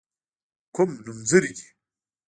کوم نومځري دي.